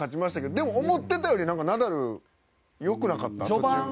でも、思ってたよりナダル良くなかった？